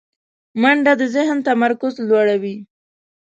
منډه د ذهن تمرکز لوړوي